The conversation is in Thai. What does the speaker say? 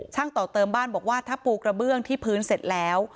ต่อเติมบ้านบอกว่าถ้าปูกระเบื้องที่พื้นเสร็จแล้ว